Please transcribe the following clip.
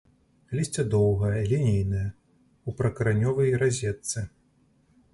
Лісце доўгае, лінейнае, у прыкаранёвай разетцы.